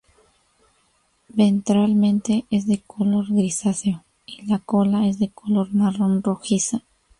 Ventralmente es de color grisáceo y la cola es de color marrón rojiza.